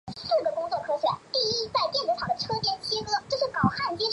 同时她还出任全国人大机关党组成员。